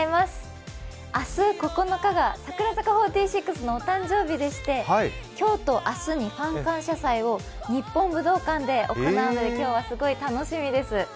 明日９日が櫻坂４６のお誕生日でして今日と明日にファン感謝祭を日本武道館で行うので今日はすごい楽しみです。